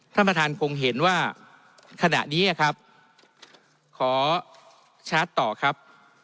ท่านประธานคงเห็นว่าขณะนี้ครับขอชาร์จต่อครับ